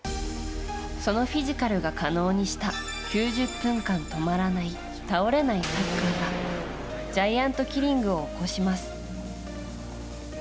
そのフィジカルが可能にした９０分間止まらない倒れないサッカーがジャイアントキリングを起こします。